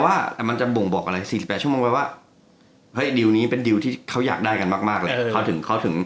ว่ามันจะบ่งบอกอะไร๔๘ชั่วโมงไว้ว่าเฮ้ยดิวนี้เป็นดิวที่เขาอยากได้กันมากแหละ